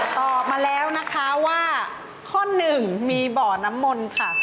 ตอบมาแล้วนะคะว่าข้อหนึ่งมีบ่อน้ำมนต์ค่ะ